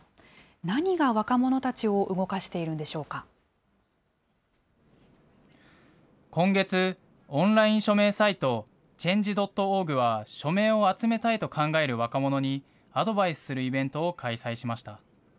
何が若者たちを動かしているんで今月、オンライン署名サイト、Ｃｈａｎｇｅ．ｏｒｇは、署名を集めたいと考える若者にアドバイスするイベントを開催しました。